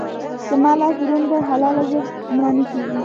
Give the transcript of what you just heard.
زما لاس دروند دی؛ حلاله ژر مړه نه کېږي.